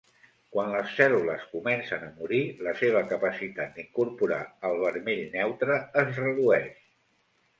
Quan les cèl·lules comencen a morir, la seva capacitat d'incorporar el vermell neutre es redueix.